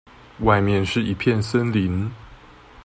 外面是一片森林